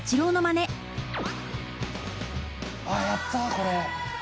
あっやったこれ。